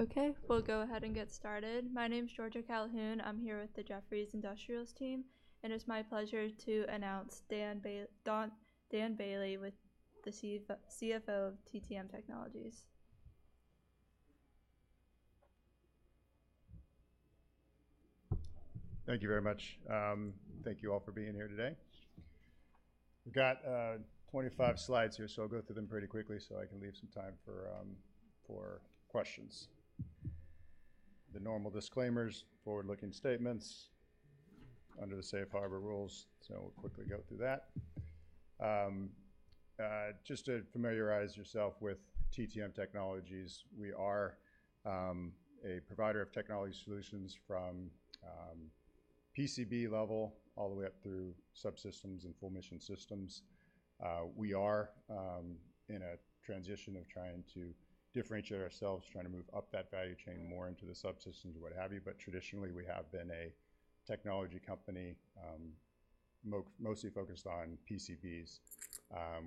Okay, we'll go ahead and get started. My name is Georgia Calhoun. I'm here with the Jefferies Industrials team, and it's my pleasure to announce Dan Bailey, CFO of TTM Technologies. Thank you very much. Thank you all for being here today. We've got twenty-five slides here, so I'll go through them pretty quickly, so I can leave some time for questions. The normal disclaimers, forward-looking statements under the safe harbor rules, so we'll quickly go through that. Just to familiarize yourself with TTM Technologies, we are a provider of technology solutions from PCB level all the way up through subsystems and full mission systems. We are in a transition of trying to differentiate ourselves, trying to move up that value chain more into the subsystems, what have you. But traditionally, we have been a technology company, mostly focused on PCBs.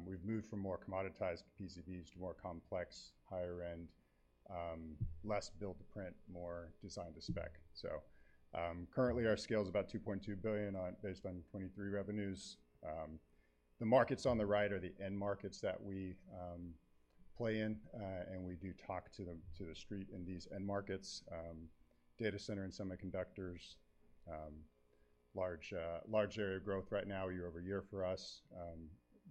We've moved from more commoditized PCBs to more complex, higher-end, less build-to-print, more design-to-spec. Currently, our scale is about $2.2 billion based on 2023 revenues. The markets on the right are the end markets that we play in, and we do talk to the Street in these end markets. Data center and semiconductors, large area of growth right now, year over year for us.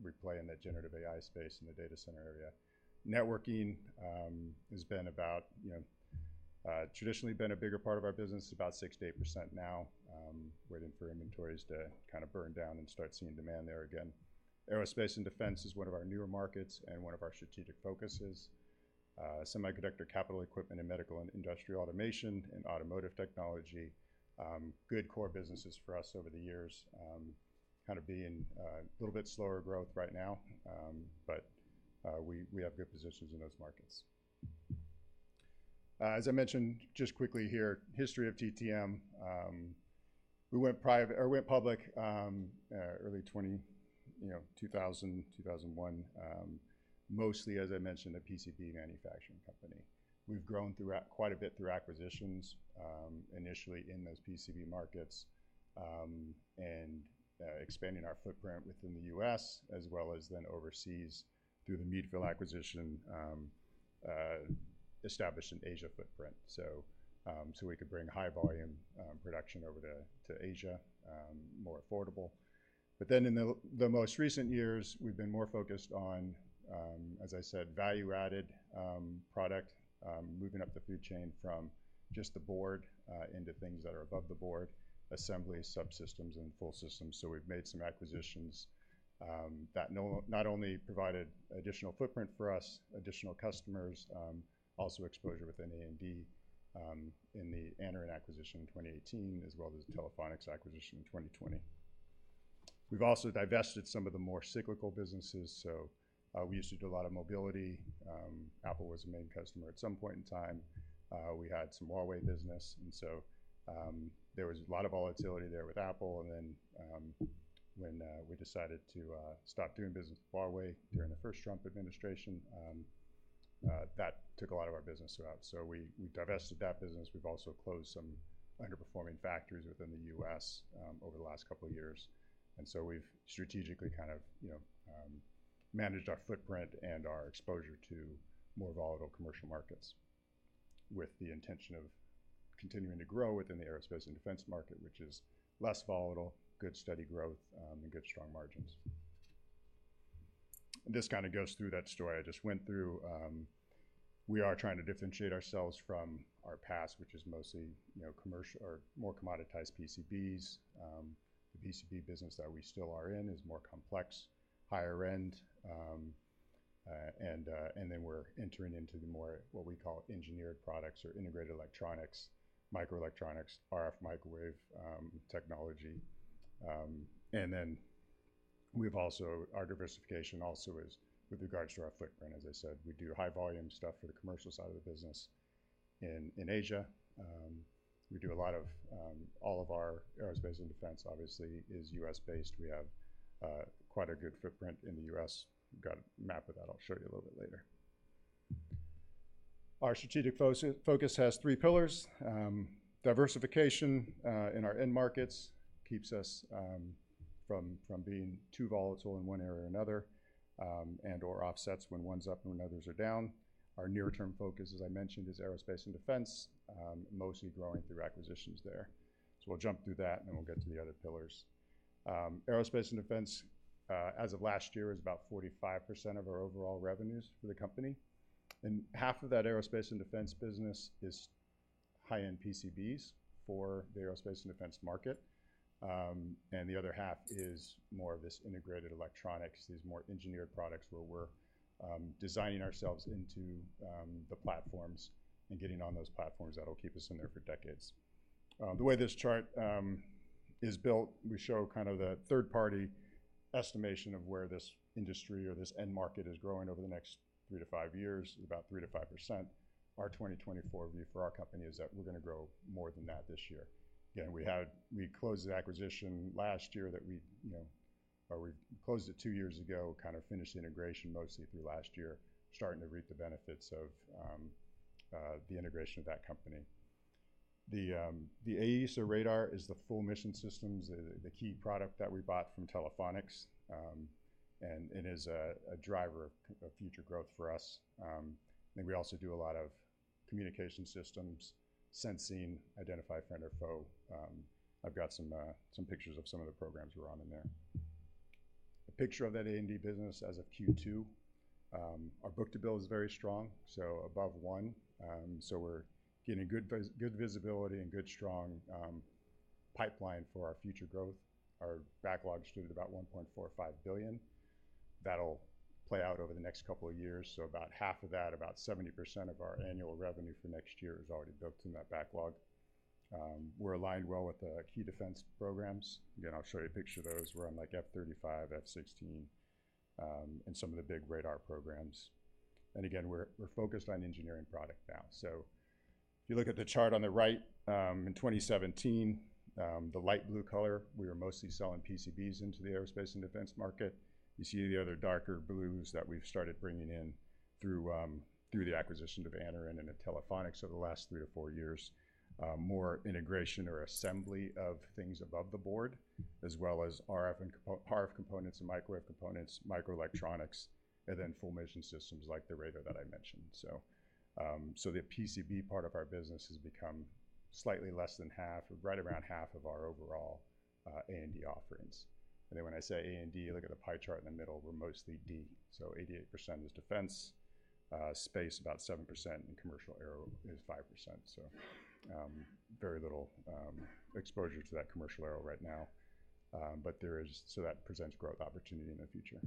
We play in that generative AI space in the data center area. Networking has been about, you know, traditionally been a bigger part of our business. It's about 68% now, waiting for inventories to kind of burn down and start seeing demand there again. Aerospace and Defense is one of our newer markets and one of our strategic focuses. Semiconductor Capital Equipment and Medical and Industrial Automation and Automotive Technology, good core businesses for us over the years. Kind of being in a little bit slower growth right now, but we have good positions in those markets. As I mentioned, just quickly here, history of TTM. We went private or we went public early twenty, you know, two thousand and one. Mostly, as I mentioned, a PCB manufacturing company. We've grown quite a bit through acquisitions, initially in those PCB markets, and expanding our footprint within the U.S. as well as then overseas through the Meadville acquisition, established an Asia footprint. So we could bring high volume production over to Asia more affordable. But then in the most recent years, we've been more focused on, as I said, value-added product, moving up the food chain from just the board into things that are above the board, assembly, subsystems, and full systems. So we've made some acquisitions that not only provided additional footprint for us, additional customers, also exposure within AMD, in the Anaren acquisition in 2018, as well as the Telephonics acquisition in 2020. We've also divested some of the more cyclical businesses, so we used to do a lot of mobility. Apple was a main customer at some point in time. We had some Huawei business, and so there was a lot of volatility there with Apple. And then, when we decided to stop doing business with Huawei during the first Trump administration, that took a lot of our business throughout. So we divested that business. We've also closed some underperforming factories within the U.S. over the last couple of years. And so we've strategically kind of, you know, managed our footprint and our exposure to more volatile commercial markets, with the intention of continuing to grow within the aerospace and defense market, which is less volatile, good, steady growth, and good, strong margins. This kind of goes through that story I just went through. We are trying to differentiate ourselves from our past, which is mostly, you know, commercial or more commoditized PCBs. The PCB business that we still are in is more complex, higher end, and then we're entering into the more, what we call engineered products or integrated electronics, microelectronics, RF microwave, technology. And then we've also our diversification also is with regards to our footprint. As I said, we do high volume stuff for the commercial side of the business in Asia. We do a lot of... All of our aerospace and defense obviously is U.S.-based. We have quite a good footprint in the U.S. We've got a map of that I'll show you a little bit later. Our strategic focus has three pillars. Diversification in our end markets keeps us from being too volatile in one area or another and/or offsets when one's up and when others are down. Our near-term focus, as I mentioned, is aerospace and defense, mostly growing through acquisitions there. So we'll jump through that, and then we'll get to the other pillars. Aerospace and defense, as of last year, is about 45% of our overall revenues for the company, and half of that aerospace and defense business is high-end PCBs for the aerospace and defense market. And the other half is more of this integrated electronics, these more engineered products, where we're designing ourselves into the platforms and getting on those platforms that will keep us in there for decades. The way this chart is built, we show kind of the third-party estimation of where this industry or this end market is growing over the next three to five years, about 3%-5%. Our twenty twenty-four view for our company is that we're going to grow more than that this year. Again, we closed the acquisition last year that we, you know, or we closed it two years ago, kind of finished the integration mostly through last year, starting to reap the benefits of the integration of that company. The AESA radar is the full mission systems, the key product that we bought from Telephonics, and it is a driver of future growth for us. I think we also do a lot of communication systems, sensing, identify friend or foe. I've got some pictures of some of the programs we're on in there. A picture of that A&D business as of Q2. Our book-to-bill is very strong, so above one. So we're getting good visibility and good, strong pipeline for our future growth. Our backlog stood at about $1.45 billion. That'll play out over the next couple of years, so about half of that, about 70% of our annual revenue for next year is already booked in that backlog. We're aligned well with the key defense programs. Again, I'll show you a picture of those. We're on, like, F-35, F-16, and some of the big radar programs. And again, we're focused on engineering product now. So if you look at the chart on the right, in 2017, the light blue color, we were mostly selling PCBs into the aerospace and defense market. You see the other darker blues that we've started bringing in through the acquisition of Anaren and then Telephonics over the last three to four years. More integration or assembly of things above the board, as well as RF components and microwave components, microelectronics, and then full mission systems, like the radar that I mentioned. So the PCB part of our business has become slightly less than half, right around half of our overall A&D offerings. And then when I say A&D, look at the pie chart in the middle, we're mostly D. So 88% is defense, space, about 7%, and commercial aero is 5%. So very little exposure to that commercial aero right now. But so that presents growth opportunity in the future.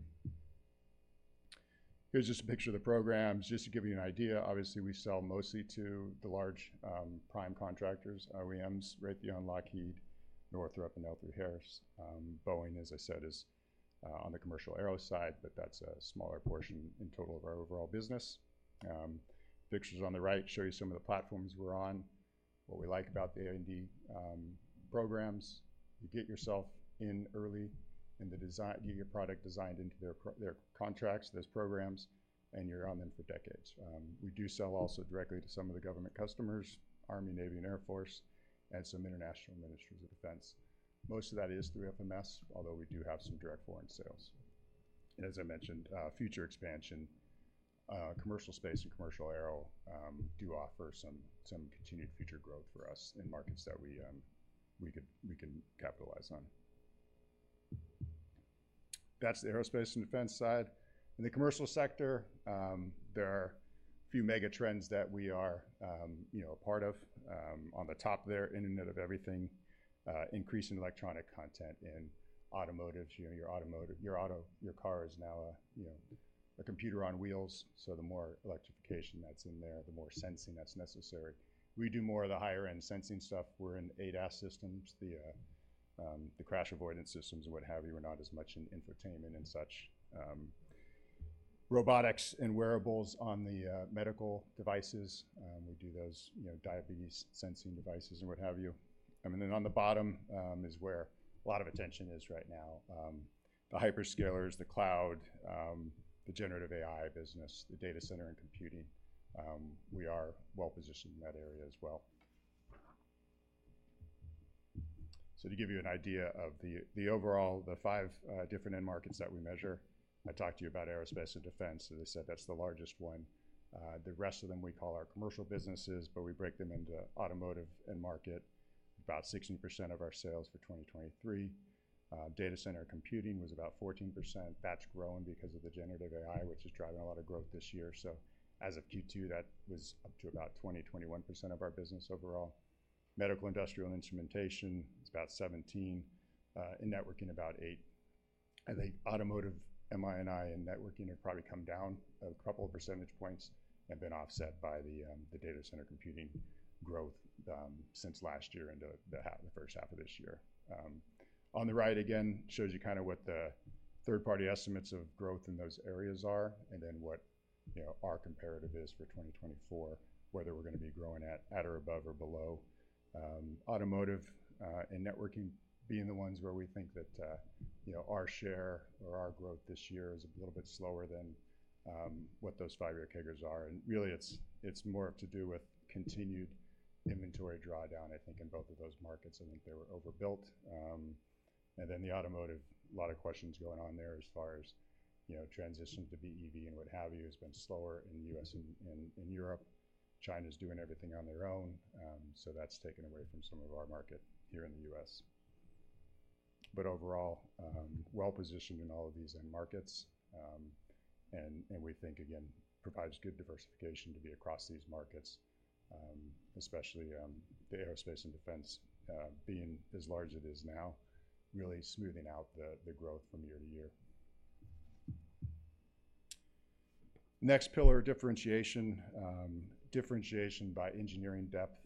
Here's just a picture of the programs, just to give you an idea. Obviously, we sell mostly to the large prime contractors, OEMs, Raytheon, Lockheed, Northrop, and L3Harris. Boeing, as I said, is on the commercial aero side, but that's a smaller portion in total of our overall business. Pictures on the right show you some of the platforms we're on. What we like about the A&D programs, you get your product designed into their contracts, those programs, and you're on them for decades. We do sell also directly to some of the government customers, Army, Navy, and Air Force, and some international ministries of defense. Most of that is through FMS, although we do have some direct foreign sales. And as I mentioned, future expansion, commercial space and commercial aero, do offer some continued future growth for us in markets that we can capitalize on. That's the aerospace and defense side. In the commercial sector, there are a few mega trends that we are, you know, a part of. On the top there, Internet of Everything, increasing electronic content in automotive. You know, your automotive, your car is now a, you know, a computer on wheels, so the more electrification that's in there, the more sensing that's necessary. We do more of the higher-end sensing stuff. We're in ADAS systems, the crash avoidance systems and what have you. We're not as much in infotainment and such. Robotics and wearables on the medical devices, we do those, you know, diabetes sensing devices and what have you. And then on the bottom is where a lot of attention is right now. The hyperscalers, the cloud, the generative AI business, the data center and computing. We are well-positioned in that area as well. So to give you an idea of the overall, the five different end markets that we measure, I talked to you about aerospace and defense. As I said, that's the largest one. The rest of them, we call our commercial businesses, but we break them into automotive end market, about 16% of our sales for 2023. Data center computing was about 14%. That's grown because of the generative AI, which is driving a lot of growth this year. So as of Q2, that was up to about 20-21% of our business overall. Medical, industrial, and instrumentation is about 17%, and networking, about 8%. I think automotive, MI&I, and networking have probably come down a couple of percentage points and been offset by the data center computing growth since last year into the first half of this year. On the right, again, shows you kind of what the third-party estimates of growth in those areas are, and then what, you know, our comparative is for 2024, whether we're going to be growing at or above or below. Automotive and networking being the ones where we think that, you know, our share or our growth this year is a little bit slower than what those five-year CAGRs are. And really, it's more to do with continued inventory drawdown, I think, in both of those markets. I think they were overbuilt. And then the automotive, a lot of questions going on there as far as, you know, transition to BEV and what have you, has been slower in the U.S. and Europe. China's doing everything on their own, so that's taken away from some of our market here in the U.S. But overall, well-positioned in all of these end markets, and we think, again, provides good diversification to be across these markets, especially, the aerospace and defense, being as large as it is now, really smoothing out the growth from year to year. Next pillar, differentiation. Differentiation by engineering depth,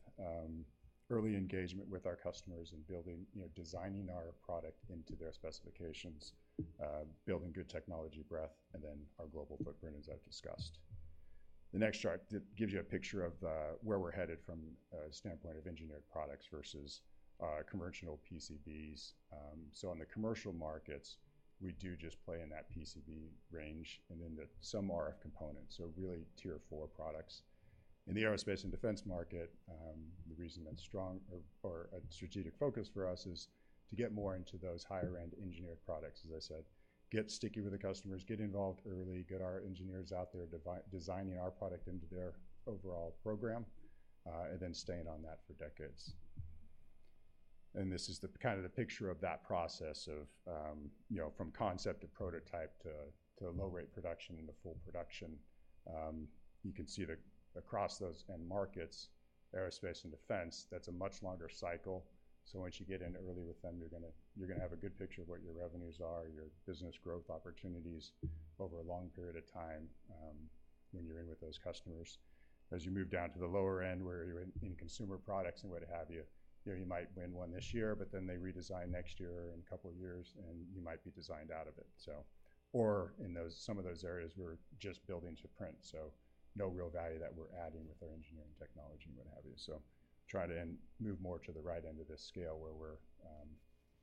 early engagement with our customers, and building, you know, designing our product into their specifications, building good technology breadth, and then our global footprint, as I've discussed. The next chart gives you a picture of where we're headed from a standpoint of engineered products versus commercial PCBs. So on the commercial markets, we do just play in that PCB range, and then some RF components. So really tier four products. In the aerospace and defense market, the reason that's strong or a strategic focus for us is to get more into those higher-end engineered products. As I said, get sticky with the customers, get involved early, get our engineers out there designing our product into their overall program, and then staying on that for decades. This is the kind of picture of that process of, you know, from concept to prototype to low rate production into full production. You can see that across those end markets, aerospace and defense, that's a much longer cycle. So once you get in early with them, you're gonna have a good picture of what your revenues are, your business growth opportunities over a long period of time, when you're in with those customers. As you move down to the lower end, where you're in consumer products and what have you, you know, you might win one this year, but then they redesign next year or in a couple of years, and you might be designed out of it, so. Or in some of those areas, we're just building to print, so no real value that we're adding with our engineering technology and what have you. So try to and move more to the right end of this scale, where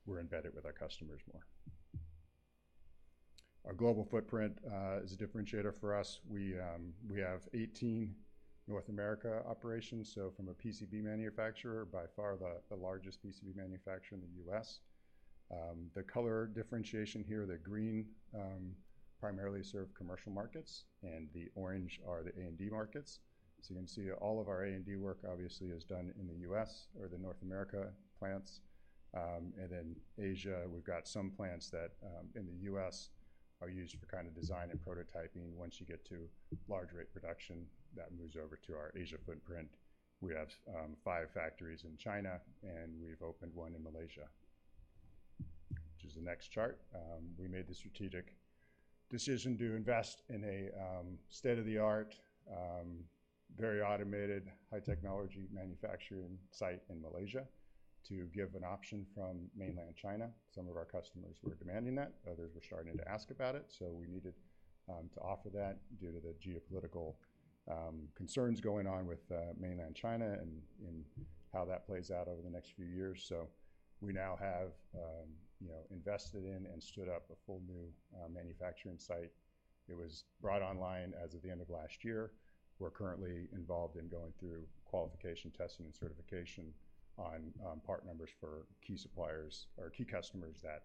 we're embedded with our customers more. Our global footprint is a differentiator for us. We have 18 North America operations, so from a PCB manufacturer, by far the largest PCB manufacturer in the U.S. The color differentiation here, the green primarily serve commercial markets, and the orange are the A&D markets. So you can see all of our A&D work obviously is done in the U.S. or the North America plants. And then Asia, we've got some plants that in the U.S. are used for kind of design and prototyping. Once you get to large rate production, that moves over to our Asia footprint. We have five factories in China, and we've opened one in Malaysia, which is the next chart. We made the strategic decision to invest in a state-of-the-art very automated high technology manufacturing site in Malaysia to give an option from mainland China. Some of our customers were demanding that, others were starting to ask about it, so we needed to offer that due to the geopolitical concerns going on with mainland China and how that plays out over the next few years. So we now have you know invested in and stood up a full new manufacturing site. It was brought online as of the end of last year. We're currently involved in going through qualification testing and certification on part numbers for key suppliers or key customers that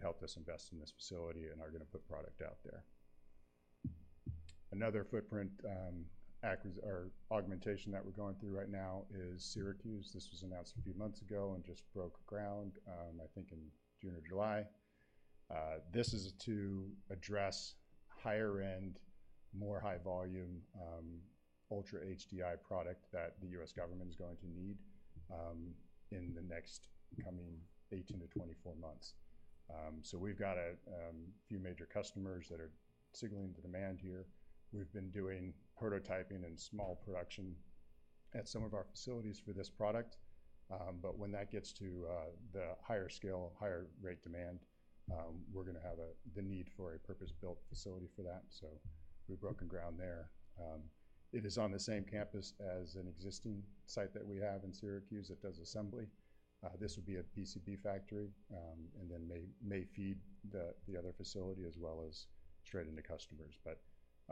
helped us invest in this facility and are going to put product out there. Another footprint, acquisition or augmentation that we're going through right now is Syracuse. This was announced a few months ago and just broke ground, I think in June or July. This is to address higher end, more high volume, Ultra HDI product that the U.S. government is going to need in the next coming 18-24 months. So we've got a few major customers that are signaling the demand here. We've been doing prototyping and small production at some of our facilities for this product, but when that gets to the higher scale, higher rate demand, we're gonna have the need for a purpose-built facility for that, so we've broken ground there. It is on the same campus as an existing site that we have in Syracuse that does assembly. This would be a PCB factory, and then may feed the other facility as well as straight into customers.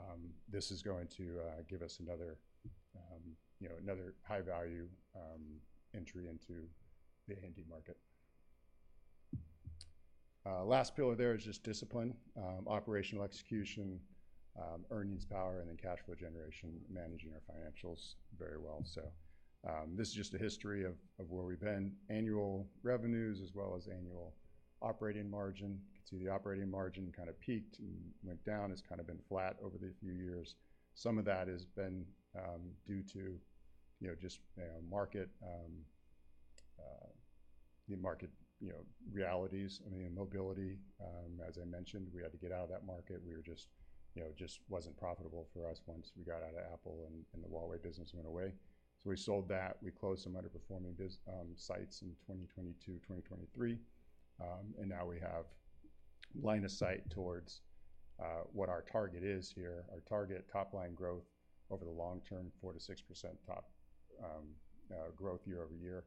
But this is going to give us another, you know, another high-value entry into the A&D market. Last pillar there is just discipline, operational execution, earnings power, and then cash flow generation, managing our financials very well. So this is just a history of where we've been. Annual revenues as well as annual operating margin. You can see the operating margin kind of peaked and went down, has kind of been flat over the few years. Some of that has been due to you know just the market you know realities. I mean, mobility, as I mentioned, we had to get out of that market. We were just you know, it just wasn't profitable for us once we got out of Apple and the Huawei business went away. So we sold that. We closed some underperforming business sites in 2022, 2023. And now we have line of sight towards what our target is here. Our target top line growth over the long term, 4-6% top growth year over year.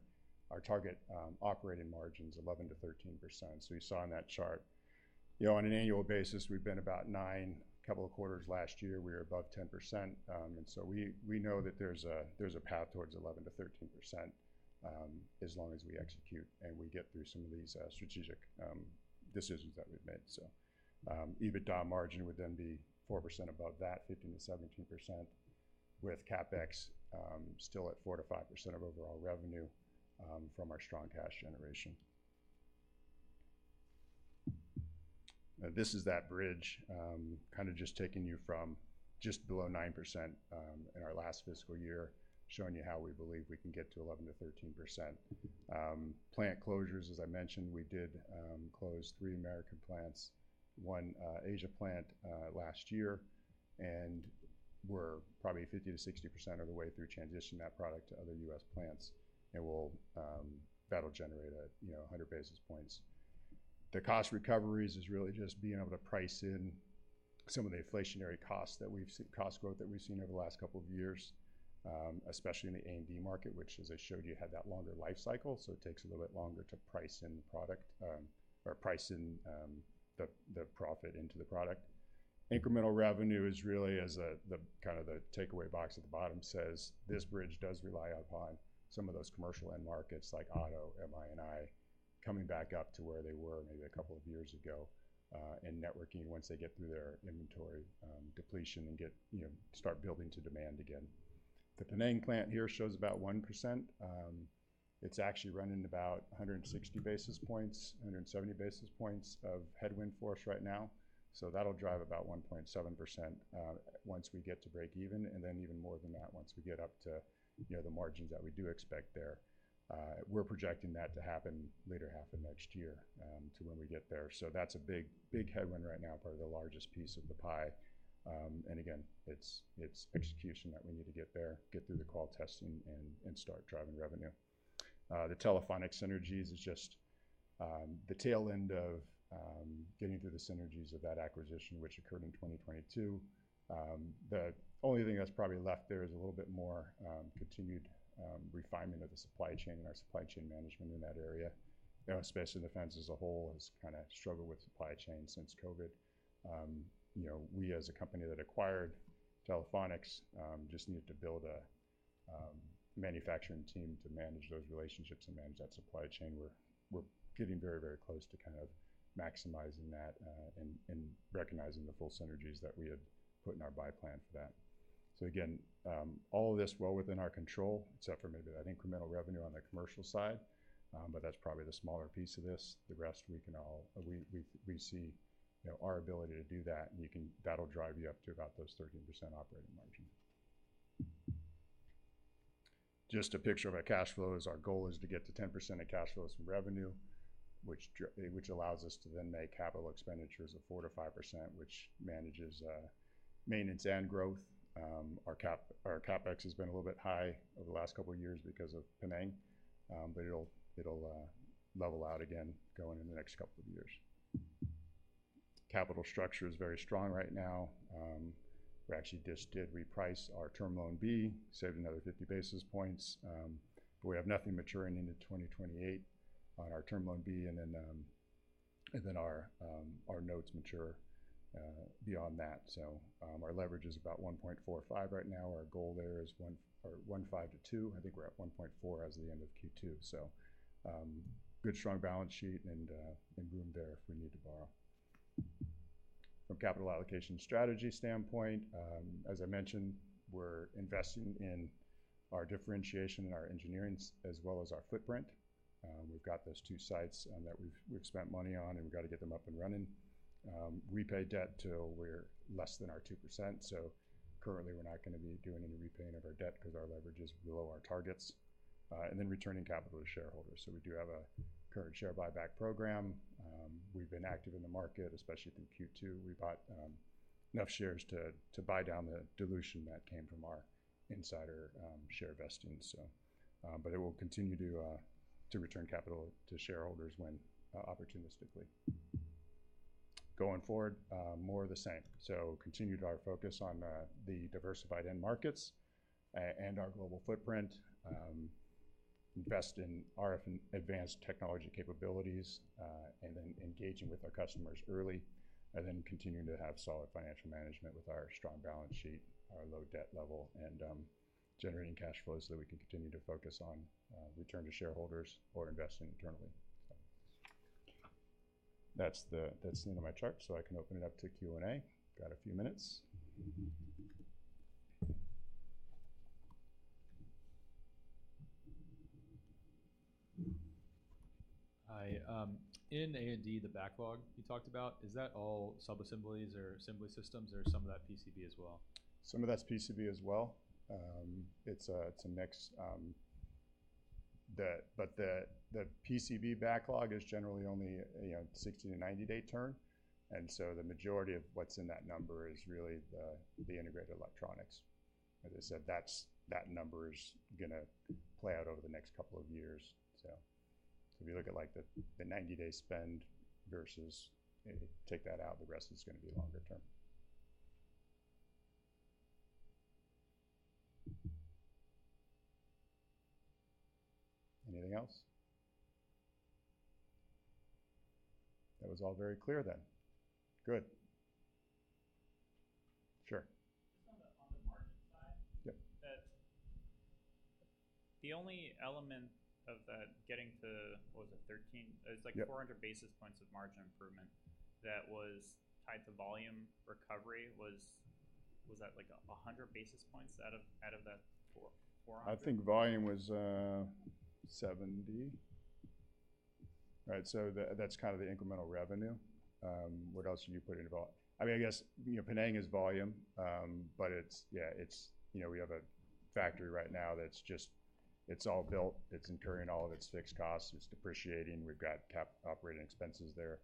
Our target operating margin is 11-13%. So you saw in that chart, you know, on an annual basis, we've been about 9%. A couple of quarters last year, we were above 10%. And so we know that there's a path towards 11%-13%, as long as we execute and we get through some of these strategic decisions that we've made. So, EBITDA margin would then be 4% above that, 15%-17%, with CapEx still at 4%-5% of overall revenue, from our strong cash generation. This is that bridge, kind of just taking you from just below 9% in our last fiscal year, showing you how we believe we can get to 11%-13%. Plant closures, as I mentioned, we did close three American plants, one Asia plant last year, and we're probably 50%-60% of the way through transitioning that product to other U.S. plants. And we'll... That'll generate a, you know, 100 basis points. The cost recoveries is really just being able to price in some of the inflationary costs that we've seen, cost growth that we've seen over the last couple of years, especially in the A&D market, which, as I showed you, had that longer life cycle, so it takes a little bit longer to price in the product, or price in the profit into the product. Incremental revenue is really as a, the kind of the takeaway box at the bottom says, this bridge does rely upon some of those commercial end markets like auto, MII, coming back up to where they were maybe a couple of years ago, in networking, once they get through their inventory, depletion and get, you know, start building to demand again. The Penang plant here shows about 1%, it's actually running about 160 basis points, 170 basis points of headwind force right now. So that'll drive about 1.7%, once we get to breakeven, and then even more than that, once we get up to, you know, the margins that we do expect there. We're projecting that to happen later half of next year, to when we get there. So that's a big, big headwind right now, probably the largest piece of the pie. And again, it's, it's execution that we need to get there, get through the qual testing and, and start driving revenue. The Telephonics synergies is just, the tail end of, getting through the synergies of that acquisition, which occurred in twenty twenty-two. The only thing that's probably left there is a little bit more, continued, refinement of the supply chain and our supply chain management in that area. You know, especially defense as a whole, has kinda struggled with supply chain since COVID. You know, we as a company that acquired Telephonics, just needed to build a, manufacturing team to manage those relationships and manage that supply chain. We're getting very, very close to kind of maximizing that, and recognizing the full synergies that we had put in our buy plan for that. So again, all of this well within our control, except for maybe that incremental revenue on the commercial side, but that's probably the smaller piece of this. The rest we can we see, you know, our ability to do that, and that'll drive you up to about those 13% operating margin. Just a picture of our cash flows. Our goal is to get to 10% of cash flows from revenue, which allows us to then make capital expenditures of 4%-5%, which manages maintenance and growth. Our CapEx has been a little bit high over the last couple of years because of Penang, but it'll level out again going in the next couple of years. Capital structure is very strong right now. We actually just did reprice our Term Loan B, saved another 50 basis points, but we have nothing maturing into 2028 on our Term Loan B, and then our notes mature beyond that. So, our leverage is about 1.45 right now. Our goal there is one or 1.5 to two. I think we're at 1.4 as of the end of Q2. So, good, strong balance sheet and room there if we need to borrow. From capital allocation strategy standpoint, as I mentioned, we're investing in our differentiation in our engineering as well as our footprint. We've got those two sites that we've spent money on, and we've got to get them up and running. Repay debt till we're less than our 2%. So currently, we're not going to be doing any repaying of our debt because our leverage is below our targets. And then returning capital to shareholders. So we do have a current share buyback program. We've been active in the market, especially through Q2. We bought enough shares to buy down the dilution that came from our insider share vesting, so. But it will continue to return capital to shareholders when opportunistically. Going forward, more of the same. So continue to our focus on the diversified end markets and our global footprint, invest in RF and advanced technology capabilities, and then engaging with our customers early, and then continuing to have solid financial management with our strong balance sheet, our low debt level, and generating cash flow so that we can continue to focus on return to shareholders or investing internally. That's the end of my chart, so I can open it up to Q&A. Got a few minutes. Hi, in A&D, the backlog you talked about, is that all subassemblies or assembly systems, or some of that PCB as well? Some of that's PCB as well. It's a mix, but the PCB backlog is generally only, you know, 60- to 90-day turn, and so the majority of what's in that number is really the integrated electronics. Like I said, that's that number is gonna play out over the next couple of years. So if you look at, like, the 90-day spend versus, take that out, the rest is gonna be longer term. Anything else? That was all very clear then. Good. Sure. Just on the margin side- Yep. -that the only element of that getting to, what was it, 13? Yep. It's like four hundred basis points of margin improvement that was tied to volume recovery. Was that, like, 100 basis points out of that 400? I think volume was 70. Right, so that's kind of the incremental revenue. What else would you put into volume? I mean, I guess, you know, Penang is volume, but it's, yeah, it's, you know, we have a factory right now that's just, it's all built, it's incurring all of its fixed costs, it's depreciating, we've got CapEx, operating expenses there.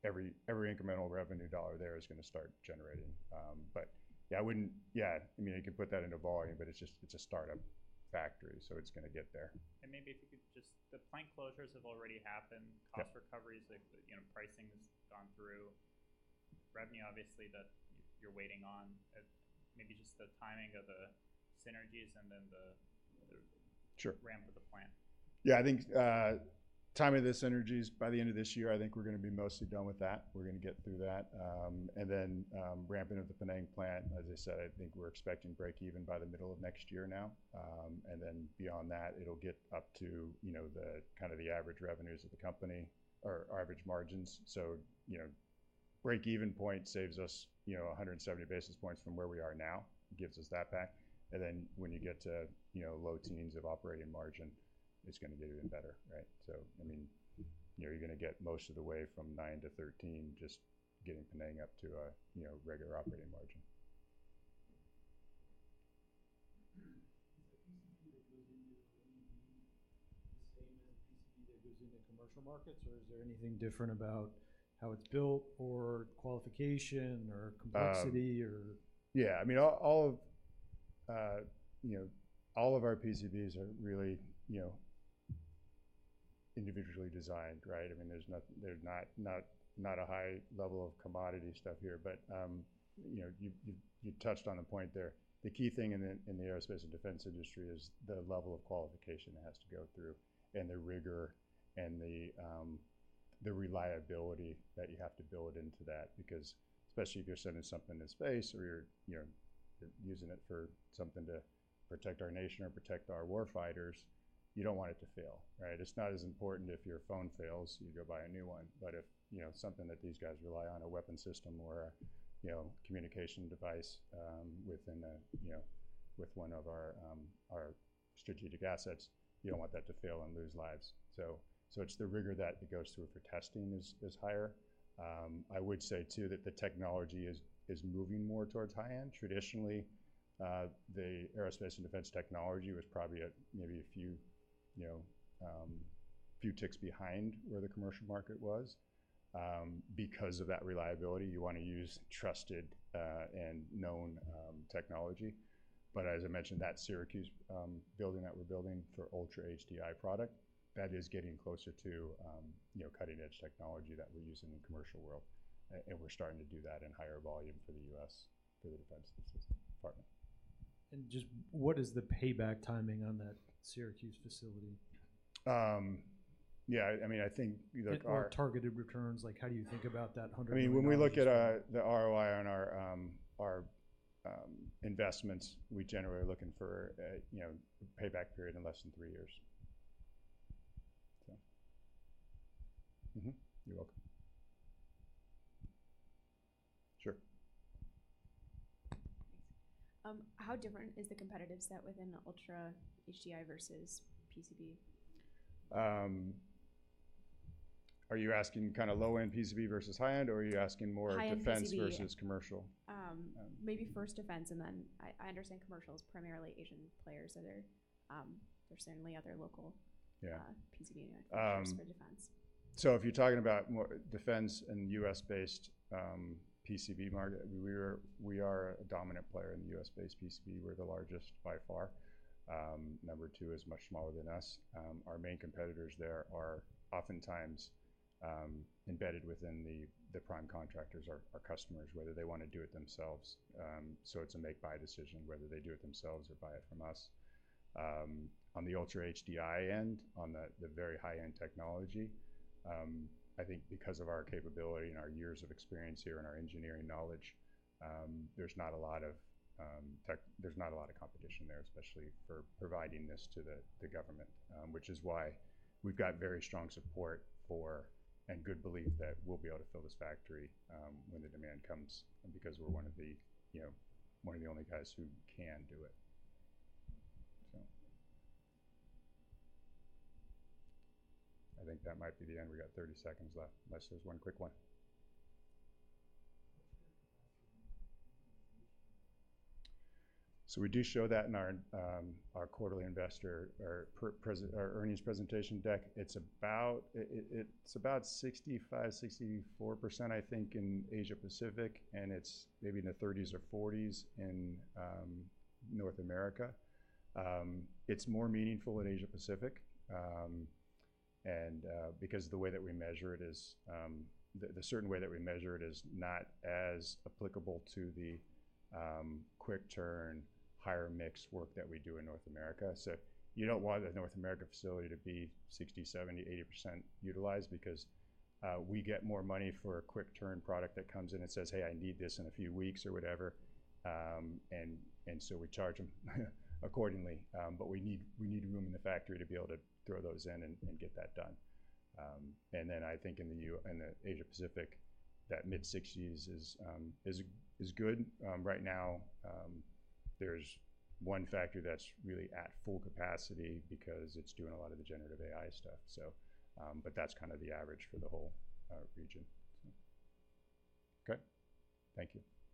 Every incremental revenue dollar there is going to start generating. But yeah. Yeah, I mean, you can put that into volume, but it's just, it's a startup factory, so it's going to get there. The plant closures have already happened. Yeah. Cost recovery, like, you know, pricing has gone through. Revenue, obviously, that you're waiting on. Maybe just the timing of the synergies and then the- Sure ramp of the plant. Yeah, I think timing of the synergies, by the end of this year, I think we're going to be mostly done with that. We're going to get through that. And then ramping up the Penang plant, as I said, I think we're expecting breakeven by the middle of next year now. And then beyond that, it'll get up to, you know, the kind of the average revenues of the company or average margins. So, you know, breakeven point saves us, you know, a hundred and seventy basis points from where we are now, gives us that back. And then when you get to, you know, low teens of operating margin, it's going to get even better, right? So, I mean, you know, you're going to get most of the way from nine to thirteen, just getting Penang up to a, you know, regular operating margin. Does that PCB that goes into the F-35 the same as the PCB that goes into commercial markets, or is there anything different about how it's built, or qualification, or complexity, or- Yeah. I mean, all of our PCBs are really, you know, individually designed, right? I mean, there's not a high level of commodity stuff here. But, you know, you touched on a point there. The key thing in the aerospace and defense industry is the level of qualification it has to go through, and the rigor, and the reliability that you have to build into that. Because especially if you're sending something to space or you're using it for something to protect our nation or protect our war fighters, you don't want it to fail, right? It's not as important if your phone fails, you go buy a new one. But if, you know, something that these guys rely on, a weapon system or, you know, communication device, within a... You know, with one of our, our strategic assets, you don't want that to fail and lose lives. So it's the rigor that it goes through for testing is higher. I would say, too, that the technology is moving more towards high-end. Traditionally, the aerospace and defense technology was probably at maybe a few, you know, few ticks behind where the commercial market was. Because of that reliability, you want to use trusted, and known, technology. But as I mentioned, that Syracuse, building that we're building for Ultra HDI product, that is getting closer to, you know, cutting-edge technology that we're using in the commercial world, and we're starting to do that in higher volume for the U.S., for the Defense System Department. Just what is the payback timing on that Syracuse facility? Yeah, I mean, I think, you know- Or targeted returns, like, how do you think about that $100 million? I mean, when we look at the ROI on our investments, we generally are looking for a, you know, payback period in less than three years. So... Mm-hmm, you're welcome. Sure. How different is the competitive set within the Ultra HDI versus PCB? Are you asking kind of low-end PCB versus high-end, or are you asking more- High-end PCB- Defense versus commercial? Maybe first defense, and then I understand commercial is primarily Asian players are there. There's certainly other local- Yeah... PCB manufacturers for defense. So if you're talking about more defense and U.S.-based PCB market, we are a dominant player in the U.S.-based PCB. We're the largest by far. Number two is much smaller than us. Our main competitors there are oftentimes embedded within the prime contractors or our customers, whether they want to do it themselves. So it's a make-buy decision, whether they do it themselves or buy it from us. On the Ultra HDI end, on the very high-end technology, I think because of our capability and our years of experience here and our engineering knowledge, there's not a lot of competition there, especially for providing this to the government. Which is why we've got very strong support for and good belief that we'll be able to fill this factory, when the demand comes, and because we're one of the, you know, one of the only guys who can do it. So I think that might be the end. We got 30 seconds left, unless there's one quick one. What's your capacity? So we do show that in our earnings presentation deck. It's about 65, 64%, I think, in Asia Pacific, and it's maybe in the 30s or 40s in North America. It's more meaningful in Asia Pacific, and because the way that we measure it is not as applicable to the quick turn, higher mix work that we do in North America. So you don't want a North America facility to be 60, 70, 80% utilized because we get more money for a quick turn product that comes in and says, "Hey, I need this in a few weeks," or whatever. And so we charge them accordingly. But we need room in the factory to be able to throw those in and get that done. And then I think in the Asia Pacific, that mid-sixties is good. Right now, there's one factory that's really at full capacity because it's doing a lot of the generative AI stuff. So, but that's kind of the average for the whole region. Okay. Thank you.